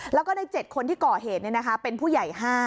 แล้วก็ใน๗คนที่ก่อเหตุเป็นผู้ใหญ่๕